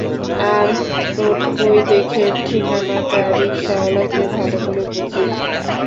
আর নোটবই দেখে ঠিকানাটা রিকশাওয়ালাকে ভালো করে বুঝিয়ে দিন।